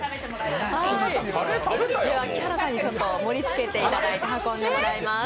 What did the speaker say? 木原さんに盛りつけていただいて運んでもらいます。